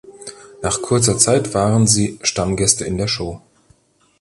Nach kurzer Zeit waren sie Stammgäste in der Show.